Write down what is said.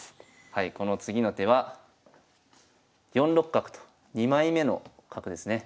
はいこの次の手は４六角と２枚目の角ですね。